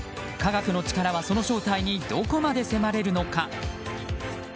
科学の力は、その正体にどこまで迫れるのか。